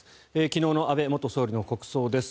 昨日の安倍元総理の国葬です。